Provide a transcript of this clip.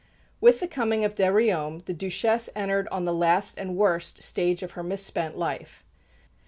With the coming of de Riom, the Duchesse entered on the last and worst stage of her mis spent life.